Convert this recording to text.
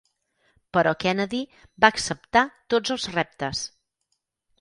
Però Kennedy va acceptar tots els reptes.